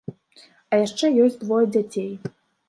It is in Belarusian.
А яшчэ ёсць двое дзяцей.